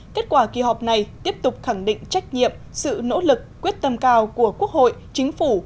kết quả kỳ họp này tiếp tục khẳng định trách nhiệm sự nỗ lực quyết tâm cao của quốc hội chính phủ